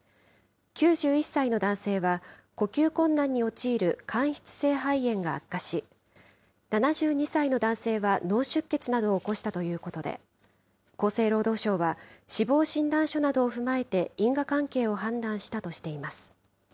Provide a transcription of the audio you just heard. ９１歳の男性は、呼吸困難に陥る間質性肺炎が悪化し、７２歳の男性は脳出血などを起こしたということで、厚生労働省は、死亡診断書などを踏まえて、因果関係を判断したとしています。